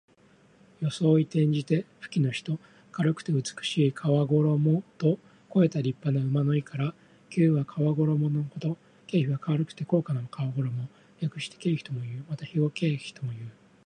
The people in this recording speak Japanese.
非常に富貴なさま。また、富貴な人の外出のときの装い。転じて、富貴の人。軽くて美しい皮ごろもと肥えた立派な馬の意から。「裘」は皮ごろものこと。「軽裘」は軽くて高価な皮ごろも。略して「軽肥」ともいう。また「肥馬軽裘」ともいう。